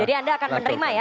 jadi anda akan menerima ya